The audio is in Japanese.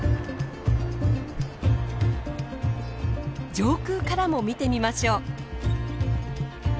上空からも見てみましょう。